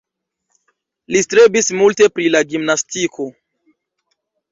Li strebis multe pri la gimnastiko.